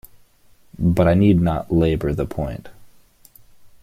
But I need not labour the point.